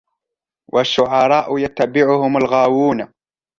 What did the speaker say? وَالشُّعَرَاءُ يَتَّبِعُهُمُ الْغَاوُونَ